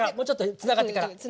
つながってから。